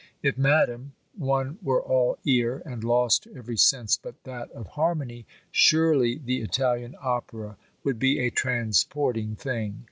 If, Madam, one were all ear, and lost to every sense but that of harmony, surely the Italian opera would be a transporting thing!